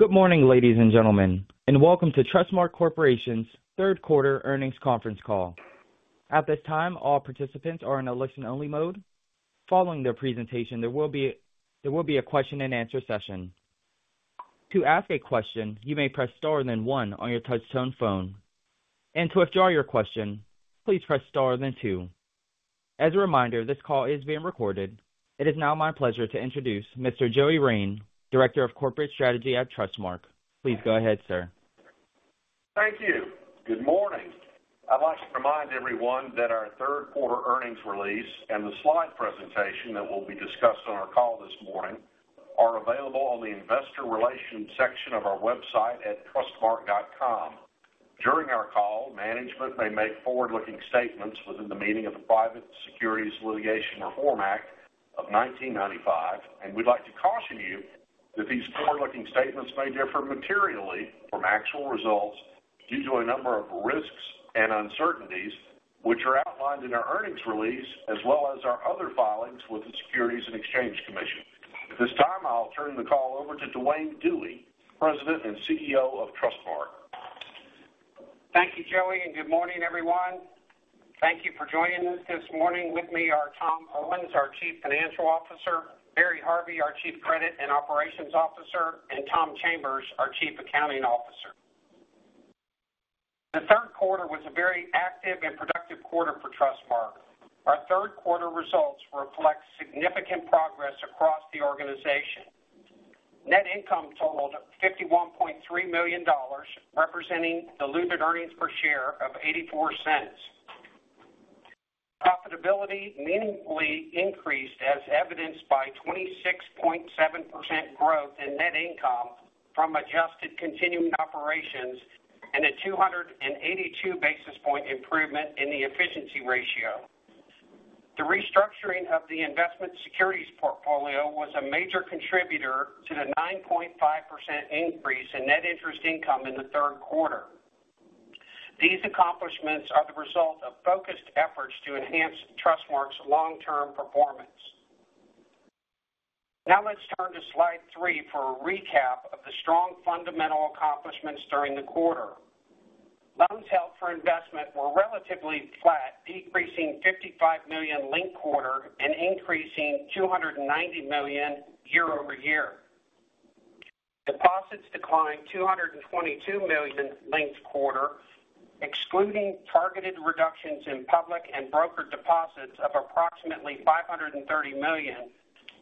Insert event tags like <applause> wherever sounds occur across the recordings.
Good morning, ladies and gentlemen, and welcome to Trustmark Corporation's third quarter earnings conference call. At this time, all participants are in a listen-only mode. Following their presentation, there will be a question-and-answer session. To ask a question, you may press star and then one on your touchtone phone, and to withdraw your question, please press star, then two. As a reminder, this call is being recorded. It is now my pleasure to introduce Mr. Joey Rein, Director of Corporate Strategy at Trustmark. Please go ahead, sir. Thank you. Good morning. I'd like to remind everyone that our third quarter earnings release and the slide presentation that will be discussed on our call this morning are available on the investor relations section of our website at trustmark.com. During our call, management may make forward-looking statements within the meaning of the Private Securities Litigation Reform Act of 1995, and we'd like to caution you that these forward-looking statements may differ materially from actual results due to a number of risks and uncertainties which are outlined in our earnings release, as well as our other filings with the Securities and Exchange Commission. At this time, I'll turn the call over to Duane Dewey, President and CEO of Trustmark. Thank you, Joey, and good morning, everyone. Thank you for joining us this morning. With me are Tom Owens, our Chief Financial Officer, Barry Harvey, our Chief Credit and Operations Officer, and Tom Chambers, our Chief Accounting Officer. The third quarter was a very active and productive quarter for Trustmark. Our third quarter results reflect significant progress across the organization. Net income totaled $51.3 million, representing diluted earnings per share of $0.84. Profitability meaningfully increased, as evidenced by 26.7% growth in net income from adjusted continuing operations and a 282 basis point improvement in the efficiency ratio. The restructuring of the investment securities portfolio was a major contributor to the 9.5% increase in net interest income in the third quarter. These accomplishments are the result of focused efforts to enhance Trustmark's long-term performance. Now, let's turn to slide three for a recap of the strong fundamental accomplishments during the quarter. Loans held for investment were relatively flat, decreasing $55 million linked quarter and increasing $290 million year-over-year. Deposits declined $222 million linked quarter, excluding targeted reductions in public and brokered deposits of approximately $530 million.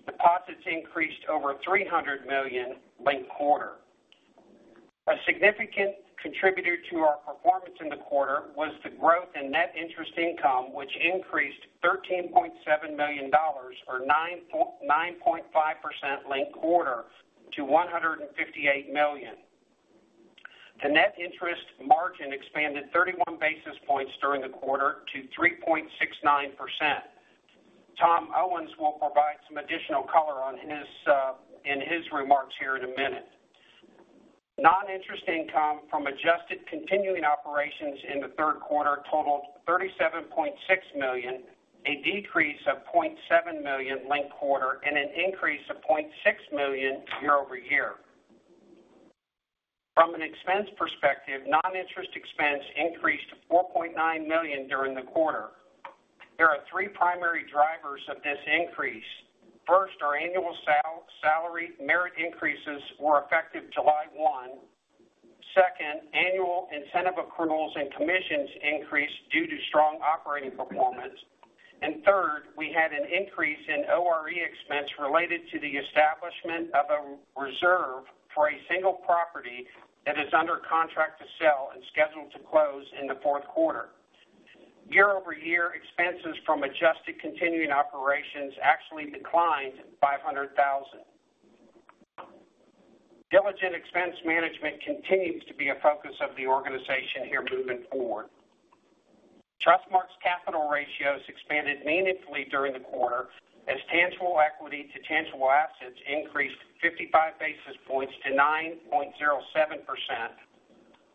Deposits increased over $300 million linked quarter. A significant contributor to our performance in the quarter was the growth in net interest income, which increased $13.7 million or 9.5% linked quarter to $158 million. The net interest margin expanded 31 basis points during the quarter to 3.69%. Tom Owens will provide some additional color on his, in his remarks here in a minute. Non-interest income from adjusted continuing operations in the third quarter totaled $37.6 million, a decrease of $0.7 million linked quarter and an increase of $0.6 million year-over-year. From an expense perspective, non-interest expense increased to $4.9 million during the quarter. There are three primary drivers of this increase. First, our annual salary merit increases were effective July 1. Second, annual incentive accruals and commissions increased due to strong operating performance. And third, we had an increase in ORE expense related to the establishment of a reserve for a single property that is under contract to sell and scheduled to close in the fourth quarter. Year-over-year expenses from adjusted continuing operations actually declined $500,000. Diligent expense management continues to be a focus of the organization here moving forward. Trustmark's capital ratios expanded meaningfully during the quarter as tangible equity to tangible assets increased 55 basis points to 9.07%,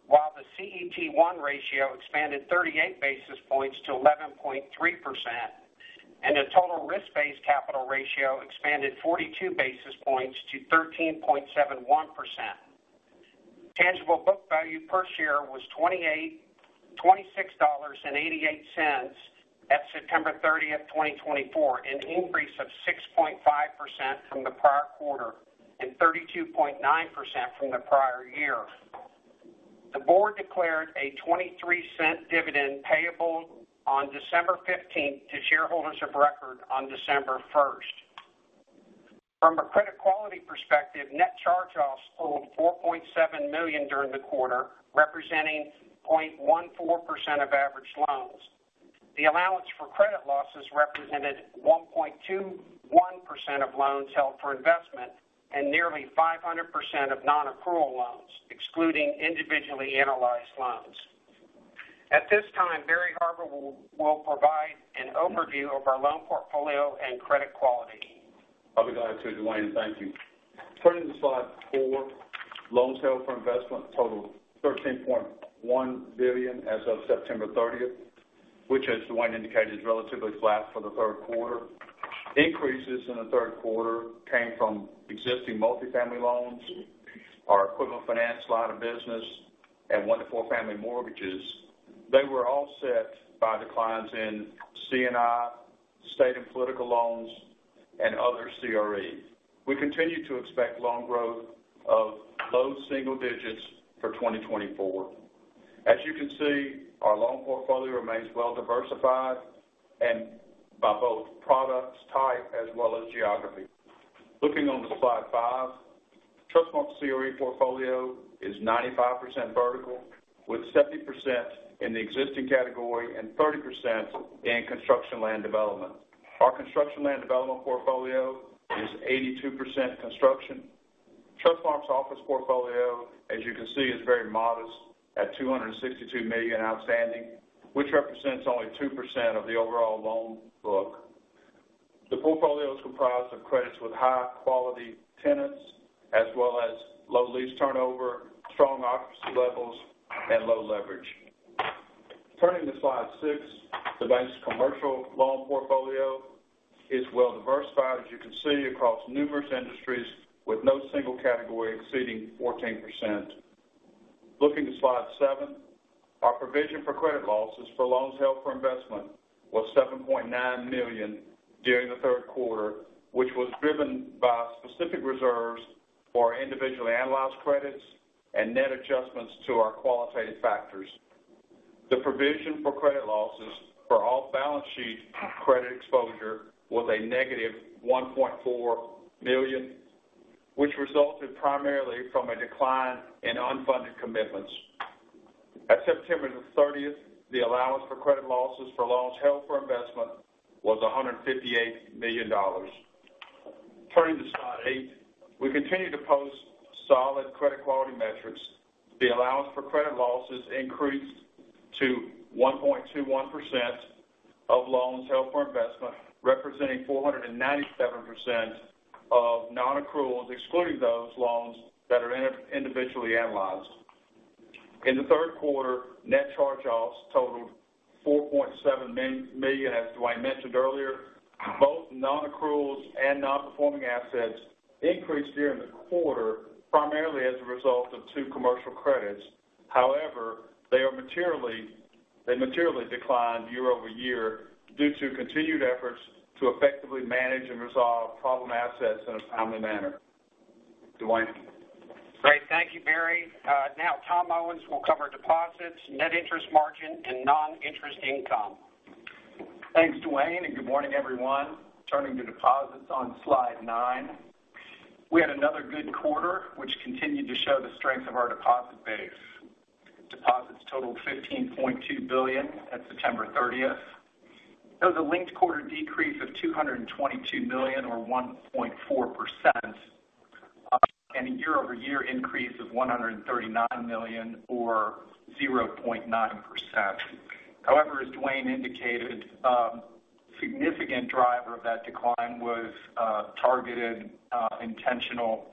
while the CET1 ratio expanded 38 basis points to 11.3%, and the total risk-based capital ratio expanded 42 basis points to 13.71%. Tangible book value per share was $26.88 at September 30th, 2024, an increase of 6.5% from the prior quarter and 32.9% from the prior year. The board declared a $0.23 dividend payable on December 15 to shareholders of record on December 1st. From a credit quality perspective, net charge-offs totaled $4.7 million during the quarter, representing 0.14% of average loans. The allowance for credit losses represented 1.21% of loans held for investment and nearly 500% of non-accrual loans, excluding individually analyzed loans. At this time, Barry Harvey will provide an overview of our loan portfolio and credit quality. I'll be glad to, Duane. Thank you. Turning to slide four, loans held for investment totaled $13.1 billion as of September 30th, which as Duane indicated, is relatively flat for the third quarter. Increases in the third quarter came from existing multifamily loans, our equipment finance line of business, and one to four family mortgages. They were all set by declines in C&I, state and political loans, and other CRE. We continue to expect loan growth of low single digits for 2024. As you can see, our loan portfolio remains well diversified and by both product types as well as geography. Looking on the slide five, Trustmark's CRE portfolio is 95% vertical, with 70% in the existing category and 30% in construction land development. Our construction land development portfolio is 82% construction. Trustmark's office portfolio, as you can see, is very modest at $262 million outstanding, which represents only 2% of the overall loan book. The portfolio is comprised of credits with high-quality tenants, as well as low lease turnover, strong occupancy levels, and low leverage. Turning to slide six, the bank's commercial loan portfolio is well diversified, as you can see, across numerous industries, with no single category exceeding 14%. Looking to slide seven, our provision for credit losses for loans held for investment was $7.9 million during the third quarter, which was driven by specific reserves for individually analyzed credits and net adjustments to our qualitative factors. The provision for credit losses for all balance sheet credit exposure was a negative $1.4 million, which resulted primarily from a decline in unfunded commitments. At September the 30th, the allowance for credit losses for loans held for investment was $158 million. Turning to slide eight, we continue to post solid credit quality metrics. The allowance for credit losses increased to 1.21% of loans held for investment, representing 497% of nonaccruals, excluding those loans that are individually analyzed. In the third quarter, net charge-offs totaled $4.7 million, as Duane mentioned earlier. Both nonaccruals and nonperforming assets increased during the quarter, primarily as a result of two commercial credits. However, they materially declined year-over-year due to continued efforts to effectively manage and resolve problem assets in a timely manner. Duane? Great. Thank you, Barry. Now, Tom Owens will cover deposits, net interest margin, and non-interest income. Thanks, Duane, and good morning, everyone. Turning to deposits on slide nine. We had another good quarter, which continued to show the strength of our deposit base. Deposits totaled $15.2 billion at September 30th. That was a linked quarter decrease of $222 million or 1.4%, and a year-over-year increase of $139 million or 0.9%. However, as Duane indicated, significant driver of that decline was targeted, intentional,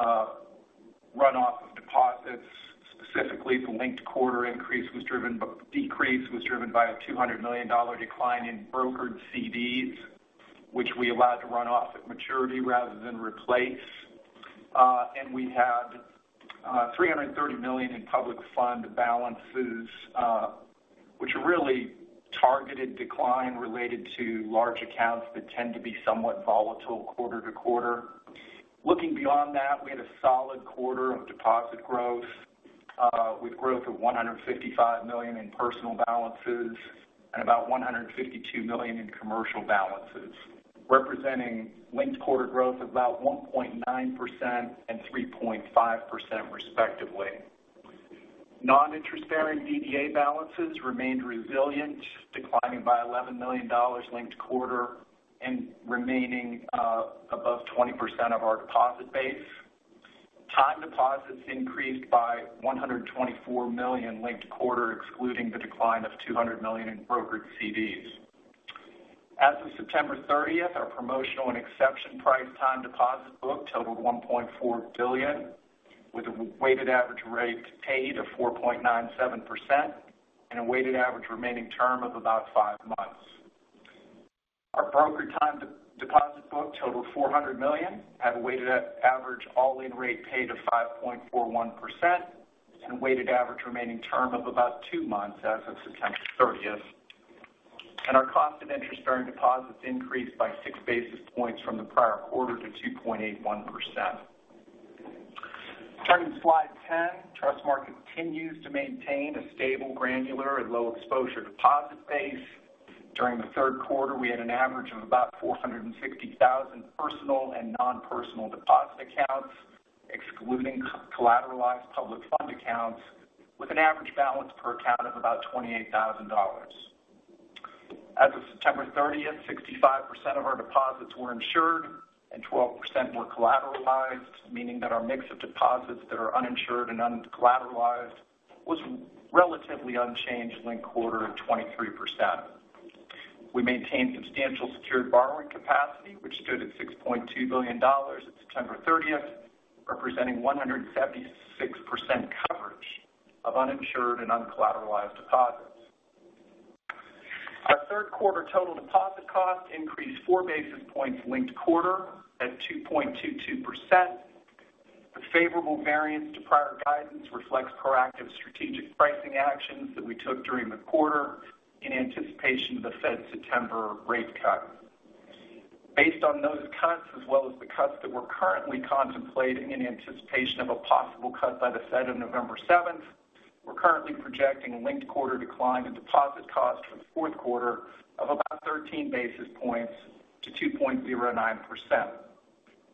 runoff of deposits. Specifically, the linked quarter decrease was driven by a $200 million decline in brokered CDs, which we allowed to run off at maturity rather than replace. And we had $330 million in public fund balances, which are really targeted decline related to large accounts that tend to be somewhat volatile quarter to quarter. Looking beyond that, we had a solid quarter of deposit growth, with growth of $155 million in personal balances and about $152 million in commercial balances, representing linked quarter growth of about 1.9% and 3.5%, respectively. Non-interest-bearing DDA balances remained resilient, declining by $11 million linked quarter and remaining above 20% of our deposit base. Time deposits increased by $124 million linked quarter, excluding the decline of $200 million in brokered CDs. As of September 30th, our promotional and exception price time deposit book totaled $1.4 billion, with a weighted average rate paid of 4.97% and a weighted average remaining term of about five months. Our brokered time deposit book totaled $400 million, had a weighted average, all-in rate paid of 5.41% and a weighted average remaining term of about two months as of September 30th. Our cost of interest-bearing deposits increased by six basis points from the prior quarter to 2.81%. Turning to Slide 10, Trustmark continues to maintain a stable, granular, and low exposure deposit base. During the third quarter, we had an average of about 460,000 personal and non-personal deposit accounts, excluding collateralized public fund accounts, with an average balance per account of about $28,000. As of September 30th, 65% of our deposits were insured and 12% were collateralized, meaning that our mix of deposits that are uninsured and uncollateralized was relatively unchanged linked quarter of 23%. We maintain substantial secured borrowing capacity, which stood at $6.2 billion at September 30th, representing 176% coverage of uninsured and uncollateralized deposits. Our third quarter total deposit cost increased four basis points linked quarter at 2.22%. The favorable variance to prior guidance reflects proactive strategic pricing actions that we took during the quarter in anticipation of the Fed's September rate cut. Based on those cuts, as well as the cuts that we're currently contemplating in anticipation of a possible cut by the Fed on November 7th, we're currently projecting a linked quarter decline in deposit cost for the fourth quarter of about 13 basis points to 2.09%.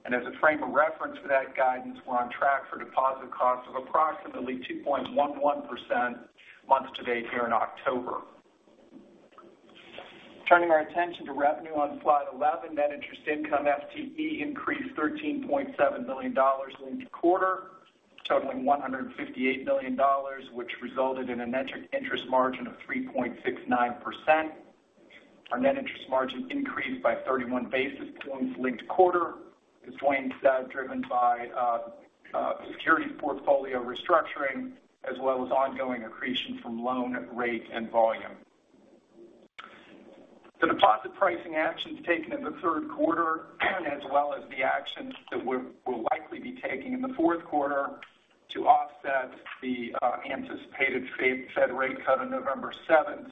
And as a frame of reference for that guidance, we're on track for deposit costs of approximately 2.11% month to date here in October. Turning our attention to revenue on slide 11, net interest income FTE increased $13.7 million linked quarter, totaling $158 million, which resulted in a net interest margin of 3.69%. Our net interest margin increased by 31 basis points linked quarter, as Duane said, driven by securities portfolio restructuring, as well as ongoing accretion from loan rate and volume. The deposit pricing actions taken in the third quarter, as well as the actions that we'll likely be taking in the fourth quarter to offset the anticipated Fed rate cut on November 7th,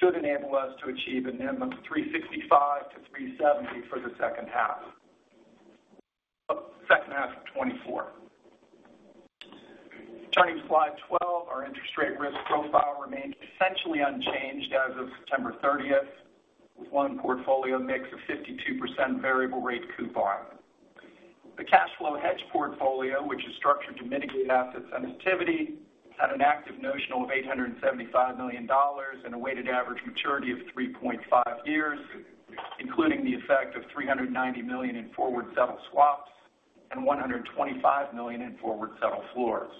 should enable us to achieve a minimum of 365-370 for the H2 of 2024. Turning to slide 12, our interest rate risk profile remained essentially unchanged as of September 30th, with loan portfolio mix of 52% variable rate coupon. The cash flow hedge portfolio, which is structured to mitigate asset sensitivity, had an active notional of $875 million and a weighted average maturity of 3.5 years, including the effect of $390 million in forward settle swaps and $125 million in forward settle floors.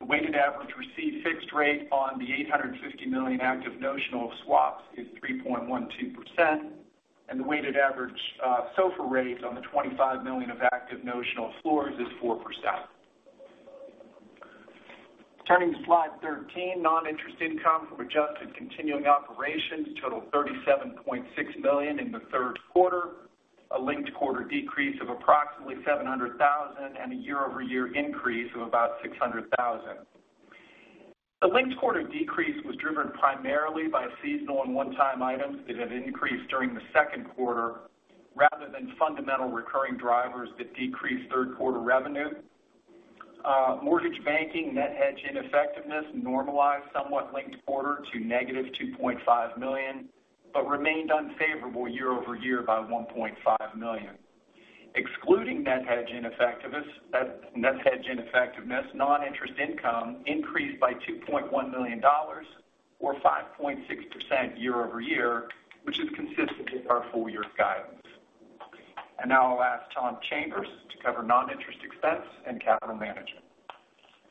The weighted average received fixed rate on the $850 million active notional of swaps is 3.12%, and the weighted average SOFR rates on the $25 million of active notional floors is 4%. Turning to slide 13, non-interest income from adjusted continuing operations totaled $37.6 million in the third quarter, a linked quarter decrease of approximately $700,000, and a year-over-year increase of about $600,000. The linked quarter decrease was driven primarily by seasonal and one-time items that had increased during the second quarter, rather than fundamental recurring drivers that decreased third quarter revenue. Mortgage banking net hedge ineffectiveness normalized somewhat linked quarter to -$2.5 million, but remained unfavorable year-over-year by $1.5 million. Excluding net hedge ineffectiveness, non-interest income increased by $2.1 million or 5.6% year-over-year, which is consistent with our full-year's guidance, and now I'll ask Tom Chambers to cover non-interest expense and capital management.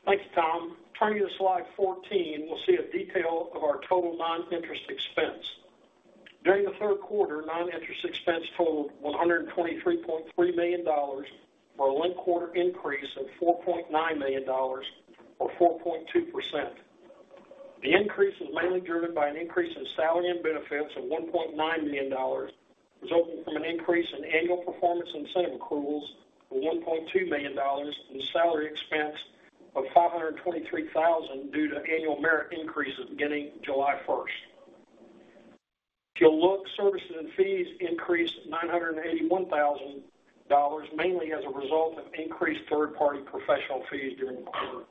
Thanks, Tom. Turning to slide 14, we'll see a detail of our total non-interest expense. During the third quarter, non-interest expense totaled $123.3 million, or a linked quarter increase of $4.9 million or 4.2%. The increase was mainly driven by an increase in salary and benefits of $1.9 million, resulting from an increase in annual performance incentive accruals of $1.2 million, and salary expense of $523,000 due to annual merit increases beginning July 1st. If you look, services and fees increased $981,000, mainly as a result of increased third-party professional fees during the quarter.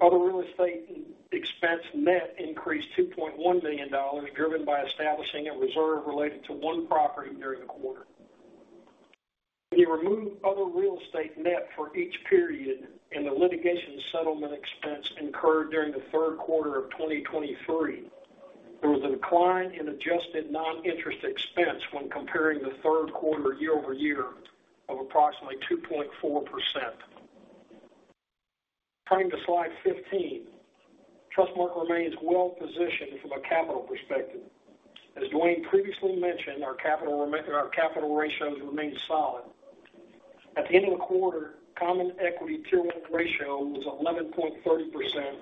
Other Real Estate expense net increased $2.1 million, driven by establishing a reserve related to one property during the quarter. When you remove other real estate net for each period, and the litigation settlement expense incurred during the third quarter of 2023, there was a decline in adjusted non-interest expense when comparing the third quarter year-over-year of approximately 2.4%. Turning to slide 15, Trustmark remains well positioned from a capital perspective. As Duane previously mentioned, our capital ratios remain solid. At the end of the quarter, Common Equity Tier 1 ratio was 11.30%,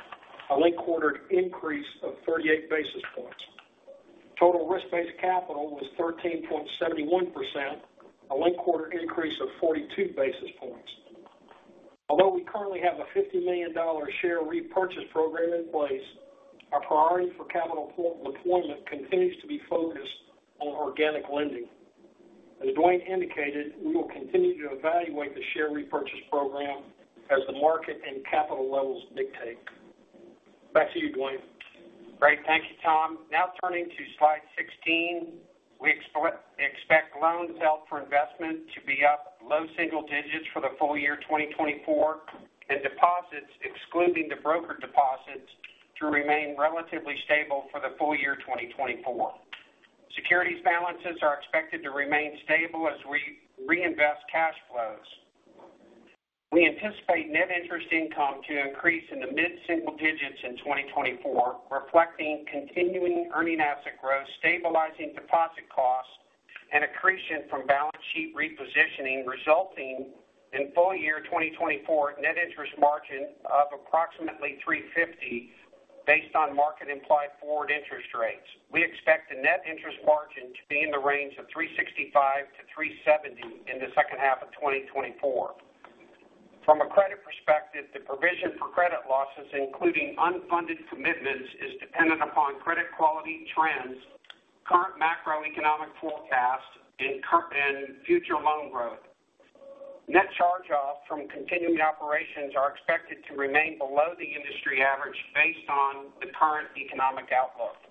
a linked quarter increase of 38 basis points. Total risk-based capital was 13.71%, a linked quarter increase of 42 basis points. Although we currently have a $50 million share repurchase program in place, our priority for capital deployment continues to be focused on organic lending. As Duane indicated, we will continue to evaluate the share repurchase program as the market and capital levels dictate. Back to you, Duane. Great. Thank you, Tom. Now turning to slide 16, we expect loans held for investment to be up low single digits for the full-year 2024, and deposits, excluding the broker deposits, to remain relatively stable for the full-year 2024. Securities balances are expected to remain stable as we reinvest cash flows. We anticipate net interest income to increase in the mid-single digits in 2024, reflecting continuing earning asset growth, stabilizing deposit costs, and accretion from balance sheet repositioning, resulting in full-year 2024 net interest margin of approximately 3.50% based on market implied forward interest rates. We expect the net interest margin to be in the range of 3.65%-3.70% in the H2 of 2024. From a credit perspective, the provision for credit losses, including unfunded commitments, is dependent upon credit quality trends, current macroeconomic forecast, and current and future loan growth. Net charge-offs from continuing operations are expected to remain below the industry average based on the current economic outlook.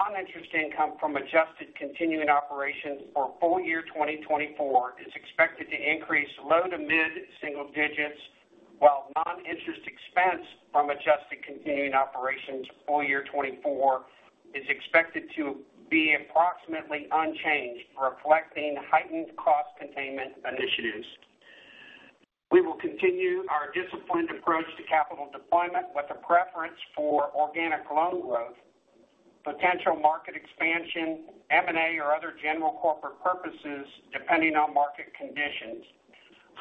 Non-interest income from adjusted continuing operations for full-year 2024 is expected to increase low to mid-single digits, while non-interest expense from adjusted continuing operations full-year 2024 is expected to be approximately unchanged, reflecting heightened cost containment initiatives. We will continue our disciplined approach to capital deployment with a preference for organic loan growth, potential market expansion, M&A, or other general corporate purposes, depending on market conditions.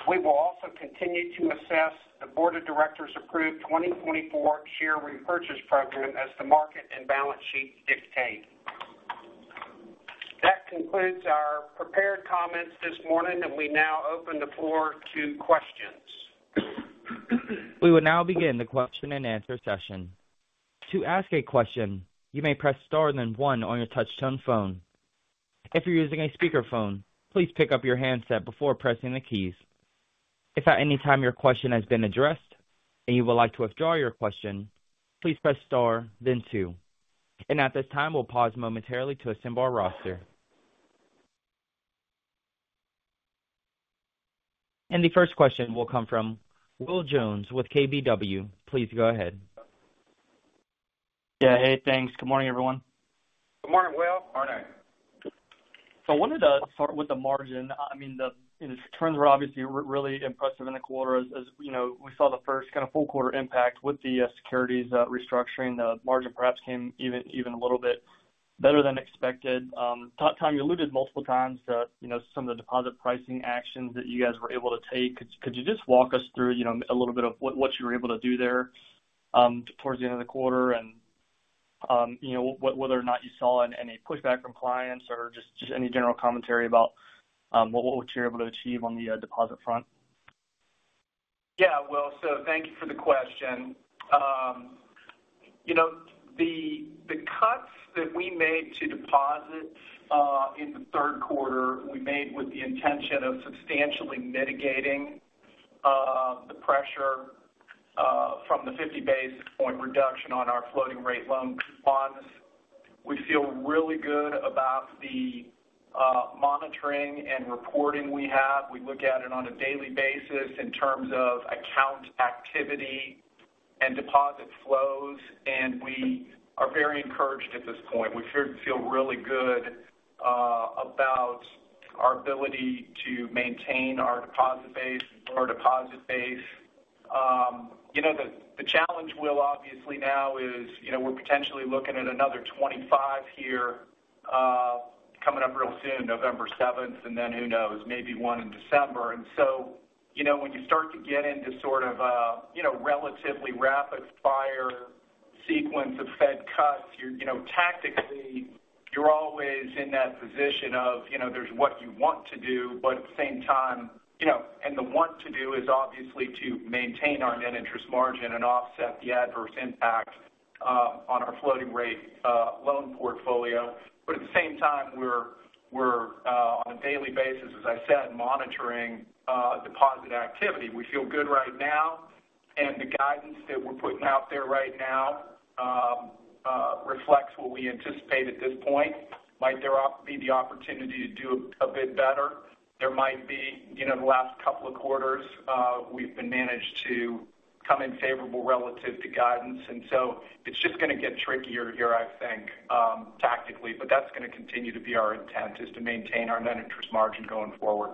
We will also continue to assess the board of directors approved 2024 share repurchase program as the market and balance sheets dictate. That concludes our prepared comments this morning, and we now open the floor to questions. We will now begin the question-and-answer session. To ask a question, you may press star, then one on your touchtone phone. If you're using a speakerphone, please pick up your handset before pressing the keys. If at any time your question has been addressed and you would like to withdraw your question, please press star then two. And at this time, we'll pause momentarily to assemble our roster. And the first question will come from Will Jones with KBW. Please go ahead. Yeah. Hey, thanks. Good morning, everyone. Good morning, Will. <inaudible> So I wanted to start with the margin. I mean, the returns were obviously really impressive in the quarter. As you know, we saw the first kind of full quarter impact with the securities restructuring. The margin perhaps came even a little bit better than expected. Tom, you alluded multiple times to, you know, some of the deposit pricing actions that you guys were able to take. Could you just walk us through, you know, a little bit of what you were able to do there towards the end of the quarter? And you know whether or not you saw any pushback from clients or just any general commentary about what you're able to achieve on the deposit front? Yeah, Will. So thank you for the question. You know, the cuts that we made to deposits in the third quarter, we made with the intention of substantially mitigating the pressure from the 50 basis point reduction on our floating rate loan coupons. We feel really good about the monitoring and reporting we have. We look at it on a daily basis in terms of account activity and deposit flows, and we are very encouraged at this point. We feel really good about our ability to maintain our deposit base. You know, the challenge, Will, obviously now is, you know, we're potentially looking at another 25 here coming up real soon, November 7th, and then who knows, maybe one in December. And so, you know, when you start to get into sort of a, you know, relatively rapid fire sequence of Fed cuts, you're, you know, tactically, you're always in that position of, you know, there's what you want to do, but at the same time, you know, and the want to do is obviously to maintain our net interest margin and offset the adverse impact on our floating rate loan portfolio. But at the same time, we're on a daily basis, as I said, monitoring deposit activity. We feel good right now, and the guidance that we're putting out there right now reflects what we anticipate at this point. Might there be the opportunity to do a bit better? There might be, You know, the last couple of quarters, we've been managed to come in favorable relative to guidance, and so it's just going to get trickier here, I think, tactically. But that's going to continue to be our intent, is to maintain our net interest margin going forward.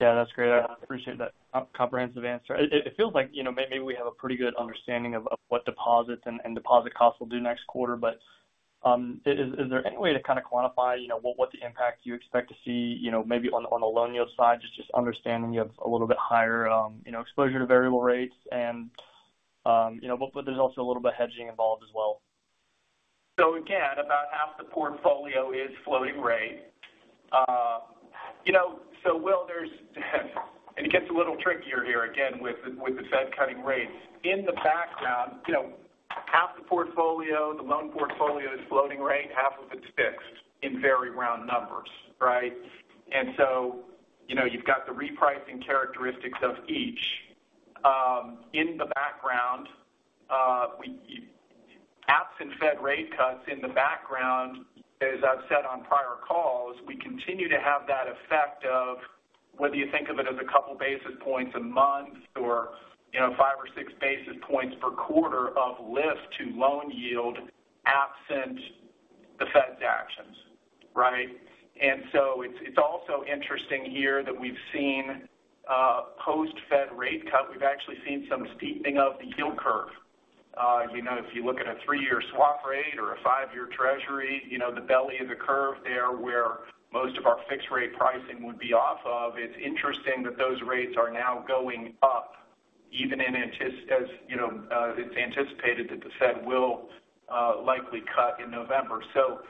Yeah, that's great. I appreciate that comprehensive answer. It feels like, you know, maybe we have a pretty good understanding of what deposits and deposit costs will do next quarter. But, is there any way to kind of quantify, you know, what the impact you expect to see, you know, maybe on the loan yield side, just understanding you have a little bit higher, you know, exposure to variable rates and, you know, but there's also a little bit of hedging involved as well. So again, about half the portfolio is floating rate. You know, so Will, and it gets a little trickier here again, with the Fed cutting rates. In the background, you know, half the portfolio, the loan portfolio is floating rate, half of it's fixed in very round numbers, right? And so, you know, you've got the repricing characteristics of each. In the background, absent Fed rate cuts in the background, as I've said on prior calls, we continue to have that effect of whether you think of it as a couple basis points a month or, you know, five or six basis points per quarter of lift to loan yield absent- <inaudible> [actions], right? And so it's also interesting here that we've seen post-Fed rate cut. We've actually seen some steepening of the yield curve. You know, if you look at a three-year swap rate or a five-year Treasury, you know, the belly of the curve there, where most of our fixed rate pricing would be off of, it's interesting that those rates are now going up, even as you know it's anticipated that the Fed will likely cut in November. So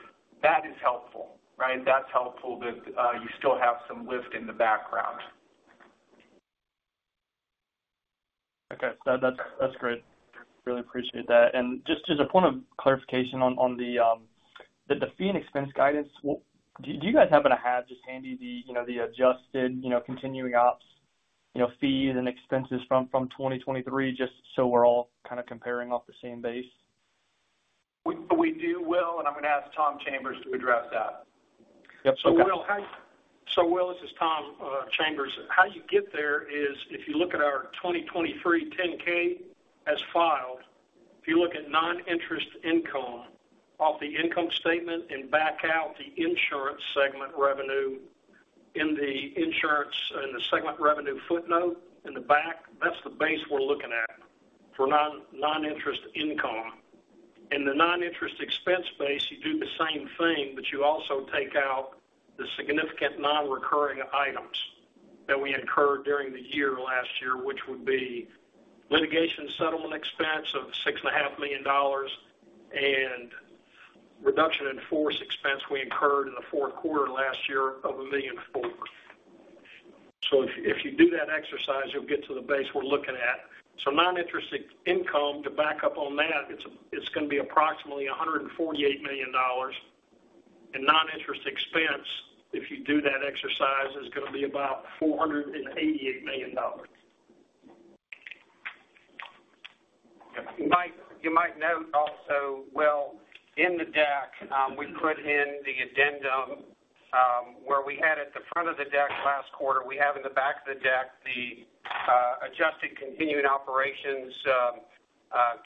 that is helpful, right? That's helpful that you still have some lift in the background. Okay, so that's, that's great. Really appreciate that. And just as a point of clarification on the fee and expense guidance, well, do you guys happen to have just handy the, you know, the adjusted, you know, continuing ops, you know, fees and expenses from 2023, just so we're all kind of comparing off the same base? We do, Will, and I'm going to ask Tom Chambers to address that. Yep. So, Will, this is Tom Chambers. How you get there is if you look at our 2023 10-K as filed, if you look at non-interest income off the income statement and back out the insurance segment revenue in the insurance in the segment revenue footnote in the back, that's the base we're looking at for non-interest income. In the non-interest expense base, you do the same thing, but you also take out the significant non-recurring items that we incurred during the year last year, which would be litigation settlement expense of $6.5 million and reduction in force expense we incurred in the fourth quarter last year of $1.4 million. So if you do that exercise, you'll get to the base we're looking at. Non-interest income, to back up on that, it's going to be approximately $148 million. Non-interest expense, if you do that exercise, is going to be about $488 million. You might note also, Will, in the deck, we put in the addendum, where we had at the front of the deck last quarter, we have in the back of the deck the adjusted continuing operations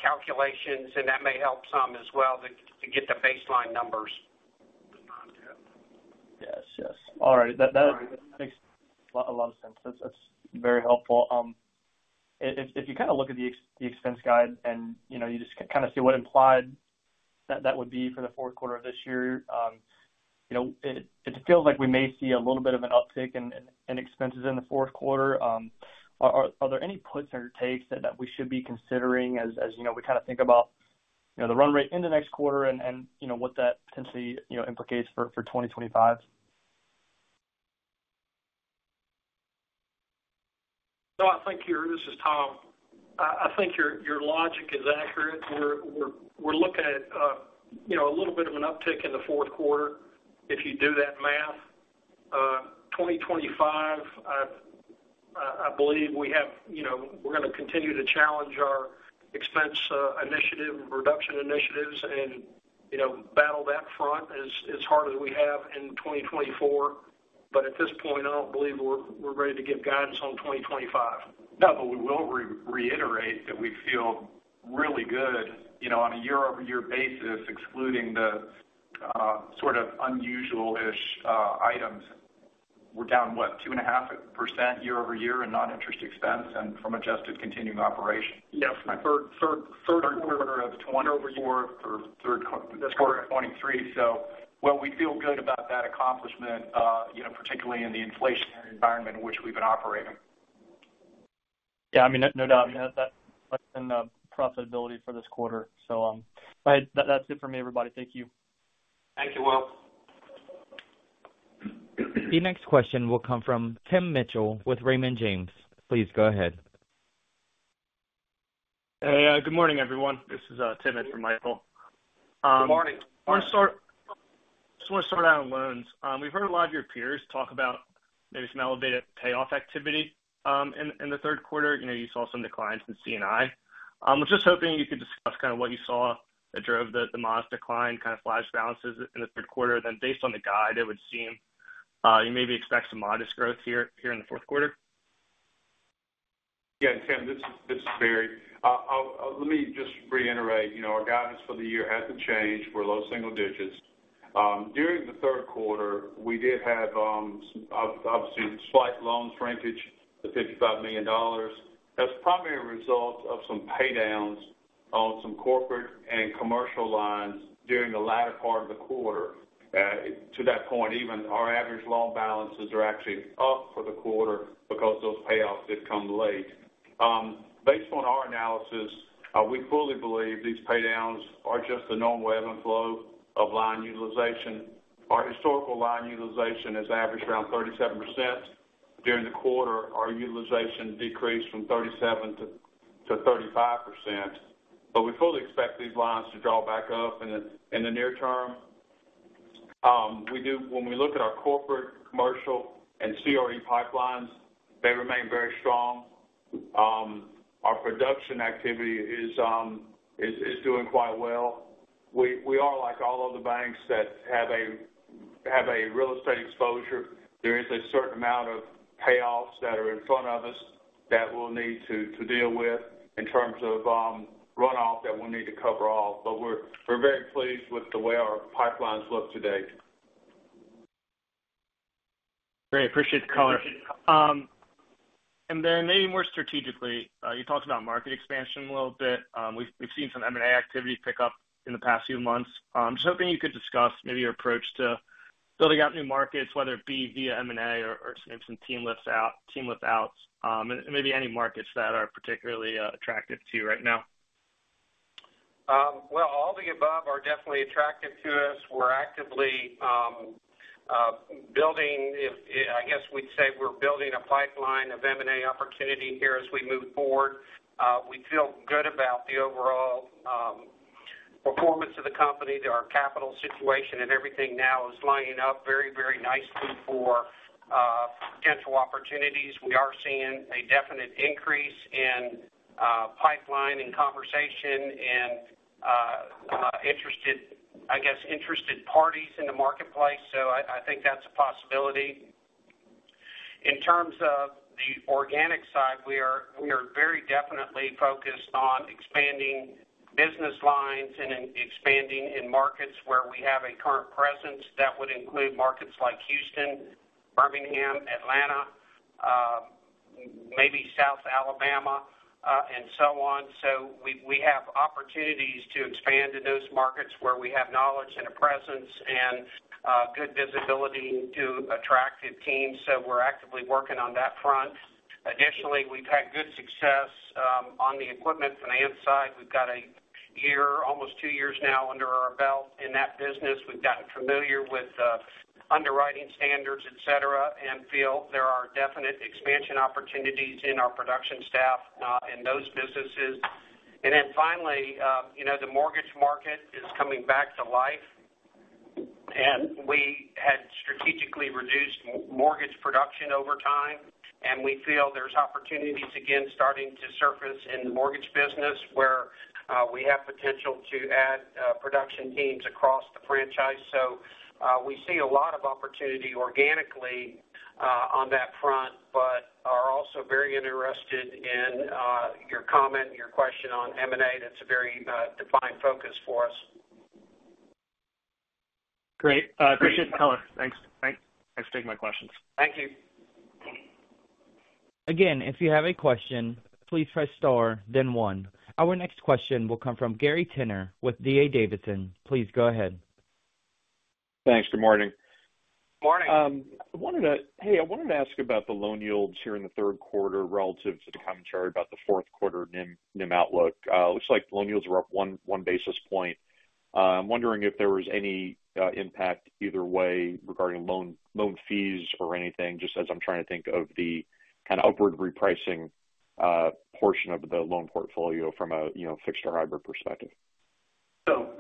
calculations, and that may help some as well to get the baseline numbers. Yes, yes. All right. That makes a lot of sense. That's very helpful. If you kind of look at the expense guide and, you know, you just kind of see what that implies for the fourth quarter of this year, you know, it feels like we may see a little bit of an uptick in expenses in the fourth quarter. Are there any puts or takes that we should be considering as, you know, we kind of think about the run rate in the next quarter and, you know, what that potentially implicates for 2025? No, I think your... This is Tom. I think your logic is accurate. We're looking at, you know, a little bit of an uptick in the fourth quarter if you do that math. 2025, I believe we have—you know, we're going to continue to challenge our expense initiative reduction initiatives and, you know, battle that front as hard as we have in 2024. But at this point, I don't believe we're ready to give guidance on 2025. No, but we will reiterate that we feel really good, you know, on a year-over-year basis, excluding the sort of unusual-ish items. We're down, what, 2.5% year-over-year in non-interest expense and from adjusted continuing operations? Yes. Third quarter of 2024, third quarter of 2023. Well, we feel good about that accomplishment, you know, particularly in the inflationary environment in which we've been operating. Yeah, I mean, no doubt. That's been the profitability for this quarter. So, but that's it for me, everybody. Thank you. Thank you, Will. The next question will come from Tim Mitchell with Raymond James. Please go ahead. Hey, good morning, everyone. This is Tim Mitchell. Good morning. I just want to start out on loans. We've heard a lot of your peers talk about maybe some elevated payoff activity in the third quarter. You know, you saw some declines in C&I. Was just hoping you could discuss kind of what you saw that drove the modest decline, kind of flash balances in the third quarter. Then based on the guide, it would seem you maybe expect some modest growth here in the fourth quarter. Yeah, Tim, this is Barry. Let me just reiterate, you know, our guidance for the year hasn't changed. We're low single digits. During the third quarter, we did have, obviously, slight loan shrinkage to $55 million. That's probably a result of some pay downs on some corporate and commercial lines during the latter part of the quarter. To that point, even our average loan balances are actually up for the quarter because those payoffs did come late. Based on our analysis, we fully believe these pay downs are just the normal ebb and flow of line utilization. Our historical line utilization has averaged around 37%. During the quarter, our utilization decreased from 37% to 35%, but we fully expect these lines to draw back up in the near term. We do, when we look at our corporate, commercial, and CRE pipelines, they remain very strong. Our production activity is doing quite well. We are like all other banks that have a real estate exposure. There is a certain amount of payoffs that are in front of us that we'll need to deal with in terms of, runoff that we'll need to cover all. But we're very pleased with the way our pipelines look today. Great, appreciate the color, and then maybe more strategically, you talked about market expansion a little bit. We've seen some M&A activity pick up in the past few months. Just hoping you could discuss maybe your approach to building out new markets, whether it be via M&A or some team lift outs, and maybe any markets that are particularly attractive to you right now. Well, all the above are definitely attractive to us. We're actively building, I guess, we'd say we're building a pipeline of M&A opportunity here as we move forward. We feel good about the overall performance of the company. Our capital situation and everything now is lining up very, very nicely for potential opportunities. We are seeing a definite increase in pipeline and conversation and interested, I guess, interested parties in the marketplace, so I think that's a possibility. In terms of the organic side, we are very definitely focused on expanding business lines and then expanding in markets where we have a current presence. That would include markets like Houston, Birmingham, Atlanta, maybe South Alabama, and so on. So we have opportunities to expand in those markets where we have knowledge and a presence and good visibility to attractive teams, so we're actively working on that front. Additionally, we've had good success on the equipment finance side. We've got a year, almost two years now under our belt in that business. We've gotten familiar with underwriting standards, etc, and feel there are definite expansion opportunities in our production staff in those businesses, and then finally, you know, the mortgage market is coming back to life, and we had strategically reduced mortgage production over time, and we feel there's opportunities again, starting to surface in the mortgage business, where we have potential to add production teams across the franchise. So, we see a lot of opportunity organically, on that front, but are also very interested in, your comment and your question on M&A. That's a very, defined focus for us. Great. Appreciate the color. Thanks. Thanks for taking my questions. Thank you. Again, if you have a question, please press star, then one. Our next question will come from Gary Tenner with D.A. Davidson. Please go ahead. Thanks. Good morning. Morning. I wanted to ask about the loan yields here in the third quarter relative to the commentary about the fourth quarter NIM outlook. It looks like loan yields were up one basis point. I'm wondering if there was any impact either way regarding loan fees or anything, just as I'm trying to think of the kind of upward repricing portion of the loan portfolio from a, you know, fixed or hybrid perspective. So,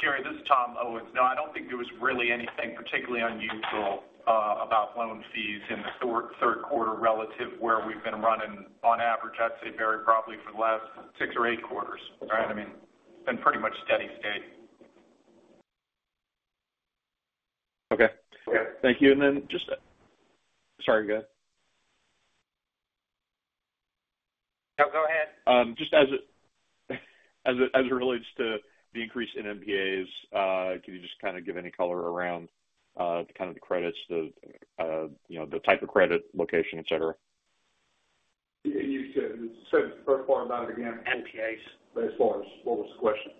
Gary, this is Tom Owens. No, I don't think there was really anything particularly unusual about loan fees in the third quarter relative to where we've been running on average. I'd say very probably for the last six or eight quarters. Right? I mean, it's been pretty much steady state. Okay. Thank you. And then just. Sorry, go ahead. No, go ahead. Just as it relates to the increase in NPAs, can you just kind of give any color around kind of the credits, you know, the type of credit, location, et cetera? You said, say the first part about it again? NPAs. As far as, what was the question?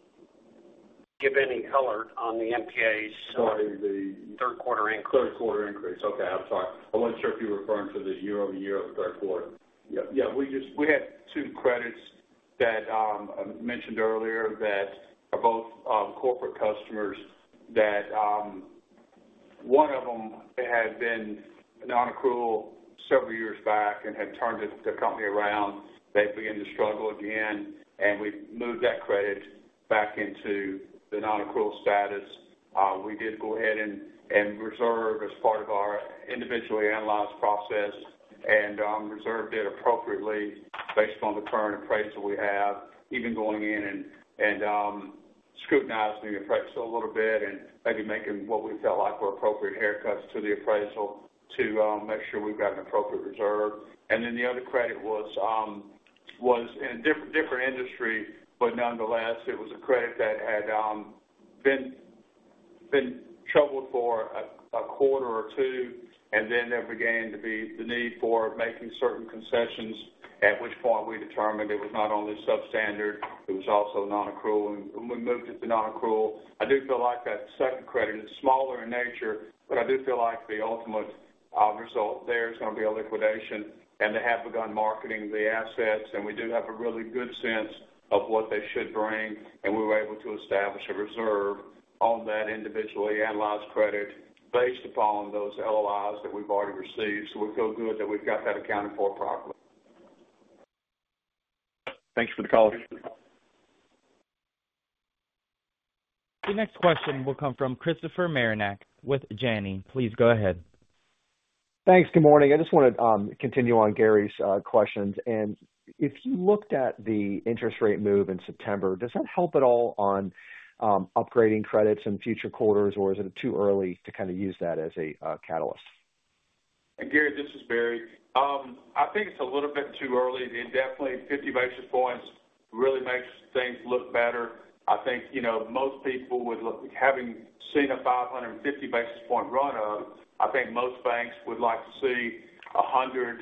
Give any color on the NPAs? Sorry, the Third quarter increase. Third quarter increase. Okay, I'm sorry. I wasn't sure if you were referring to the year-over-year or the third quarter. Yeah, yeah, we just, we had two credits that I mentioned earlier that are both corporate customers, that one of them had been non-accrual several years back and had turned the company around. They began to struggle again, and we've moved that credit back into the non-accrual status. We did go ahead and reserve as part of our individually analyzed process and reserved it appropriately based on the current appraisal we have, even going in and scrutinizing the appraisal a little bit and maybe making what we felt like were appropriate haircuts to the appraisal to make sure we've got an appropriate reserve. And then the other credit was in a different industry, but nonetheless, it was a credit that had been troubled for a quarter or two, and then there began to be the need for making certain concessions, at which point we determined it was not only substandard, it was also nonaccrual, and we moved it to nonaccrual. I do feel like that second credit is smaller in nature, but I do feel like the ultimate result there is going to be a liquidation, and they have begun marketing the assets, and we do have a really good sense of what they should bring, and we were able to establish a reserve on that individually analyzed credit based upon those LLIs that we've already received. So we feel good that we've got that accounted for properly. Thanks for the call. The next question will come from Christopher Marinac with Janney. Please go ahead. Thanks. Good morning. I just want to continue on Gary's questions. And if you looked at the interest rate move in September, does that help at all on upgrading credits in future quarters, or is it too early to kind of use that as a catalyst? Gary, this is Barry. I think it's a little bit too early. It definitely, 50 basis points really makes things look better. I think, you know, most people would look, having seen a 550 basis point run up, I think most banks would like to see 100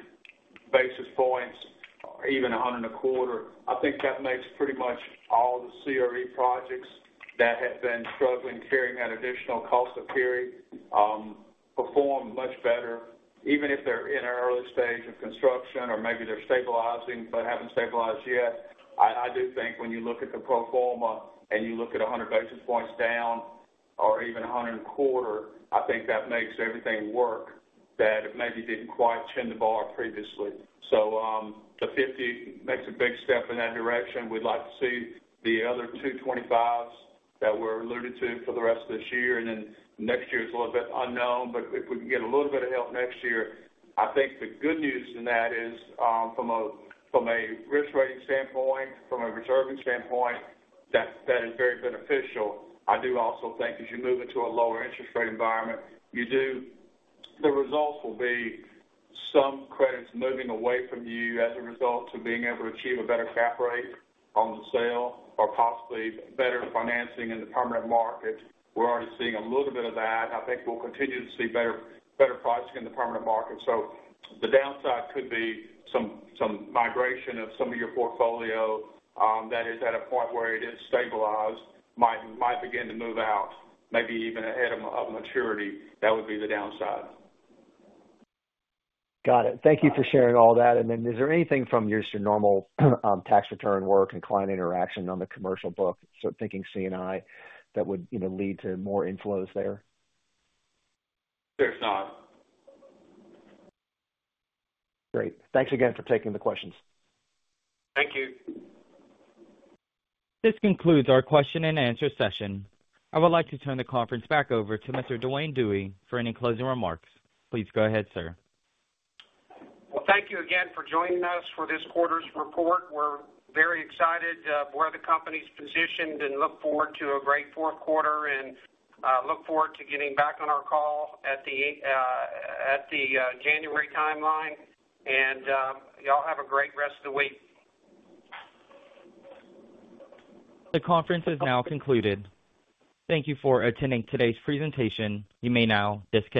basis points or even 125 basis points. I think that makes pretty much all the CRE projects that have been struggling, carrying that additional cost of carrying, perform much better, even if they're in an early stage of construction or maybe they're stabilizing but haven't stabilized yet. I, I do think when you look at the pro forma and you look at 100 basis points down or even 125 basis points, I think that makes everything work, that it maybe didn't quite clear the bar previously. So the 50 makes a big step in that direction. We'd like to see the other 225 that were alluded to for the rest of this year, and then next year is a little bit unknown, but if we can get a little bit of help next year, I think the good news in that is, from a risk rating standpoint, from a reserving standpoint, that is very beneficial. I do also think as you move into a lower interest rate environment, the results will be some credits moving away from you as a result of being able to achieve a better cap rate on the sale or possibly better financing in the permanent market. We're already seeing a little bit of that, and I think we'll continue to see better pricing in the permanent market. The downside could be some migration of some of your portfolio that is at a point where it is stabilized, might begin to move out, maybe even ahead of maturity. That would be the downside. Got it. Thank you for sharing all that. And then is there anything from just your normal tax return work and client interaction on the commercial book, so thinking C&I, that would, you know, lead to more inflows there? There's not. Great. Thanks again for taking the questions. Thank you. This concludes our question and answer session. I would like to turn the conference back over to Mr. Duane Dewey for any closing remarks. Please go ahead, sir. Thank you again for joining us for this quarter's report. We're very excited where the company's positioned and look forward to a great fourth quarter and look forward to getting back on our call at the January timeline. Y'all have a great rest of the week. The conference is now concluded. Thank you for attending today's presentation. You may now disconnect.